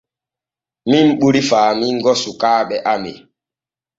Min ɓuri faamingo sukaaɓe amen.